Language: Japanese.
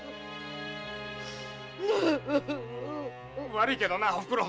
悪いけどなおふくろ。